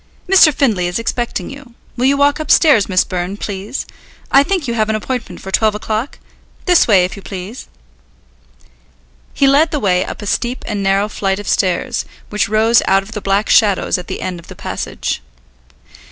"Mr. Findlay is expecting you. Will you walk upstairs, Miss Byrne, please. I think you have an appointment for twelve o'clock? This way, if you please." He led the way up a steep and narrow flight of stairs, which rose out of the black shadows at the end of the passage.